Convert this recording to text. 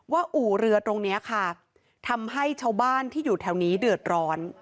อู่เรือตรงนี้ค่ะทำให้ชาวบ้านที่อยู่แถวนี้เดือดร้อน